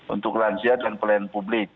untuk lansia dan pelayan publik